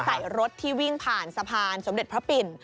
ใส่รถที่วิ่งผ่านสะพานสมเด็จพระปิ่น